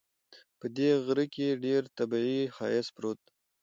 په دې غره کې ډېر طبیعي ښایست پروت ده